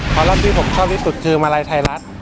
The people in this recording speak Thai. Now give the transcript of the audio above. ข้อเล่าที่ผมชอบที่สุดคือมาลัยไทรัส